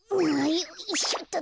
よいしょっと。